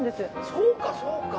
そうかそうか。